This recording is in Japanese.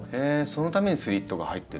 そのためにスリットが入ってる。